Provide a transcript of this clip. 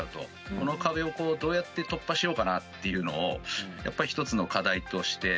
この壁をどうやって突破しようかなっていうのをやっぱり１つの課題として持っていて。